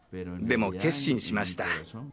でも決心しました。